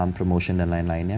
promotion dan lain lainnya